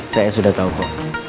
saya sudah tahu bu